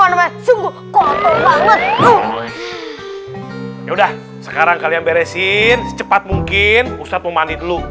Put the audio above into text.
namanya sungguh kotor banget tuh udah sekarang kalian beresin cepat mungkin ustadz memandai dulu